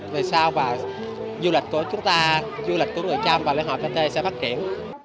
về sao và du lịch của chúng ta du lịch của người trăm và lễ hội kt sẽ phát triển